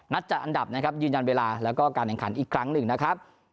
จัดอันดับนะครับยืนยันเวลาแล้วก็การแข่งขันอีกครั้งหนึ่งนะครับ